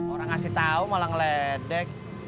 orang ngasih tau malah ngeledek